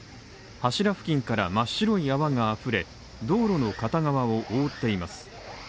柱付近から真っ白い山があふれ、道路の片側を追っています。